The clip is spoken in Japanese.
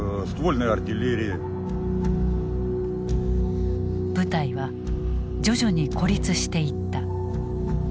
部隊は徐々に孤立していった。